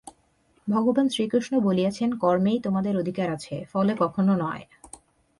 ভগবান শ্রীকৃষ্ণ বলিয়াছেন কর্মেই তোমাদের অধিকার আছে, ফলে কখনও নয়।